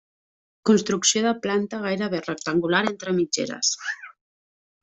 Construcció de planta gairebé rectangular entre mitgeres.